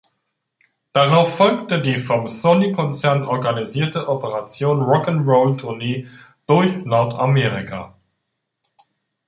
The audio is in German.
Darauf folgte die vom Sony-Konzern organisierte "Operation-Rock-'n'-Roll"-Tournee durch Nordamerika.